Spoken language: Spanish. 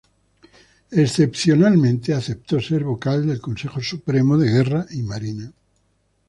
Excepcionalmente, aceptó ser vocal del Consejo Supremo de Guerra y Marina.